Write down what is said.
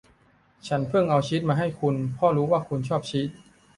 ฉันเพิ่งเอาชีสมาให้คุณเพราะรู้ว่าคุณชอบชีส